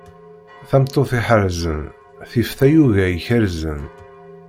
Tameṭṭut iḥerrzen, tif tayuga ikerrzen.